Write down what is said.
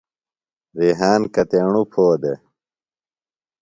ریحان کتیݨوۡ پھو دےۡ؟